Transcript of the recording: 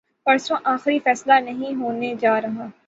پرسوں آخری فیصلہ نہیں ہونے جارہا۔